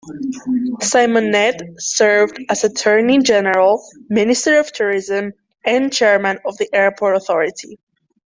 Symonette served as Attorney General, Minister of Tourism and Chairman of the Airport Authority.